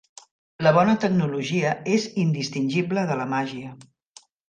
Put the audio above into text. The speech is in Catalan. La bona tecnologia és indistingible de la màgia.